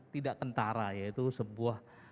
tidak kentara yaitu sebuah